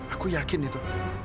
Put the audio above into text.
aku yakin itu